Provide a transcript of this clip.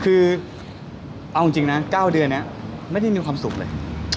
คือเอาจริงนะ๙เดือนนี้ไม่ได้มีความสุขเลย